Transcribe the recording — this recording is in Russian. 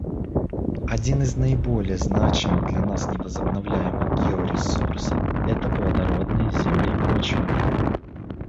Один из наиболее значимых для нас невозобновляемых георесурсов — это плодородные земли и почвы.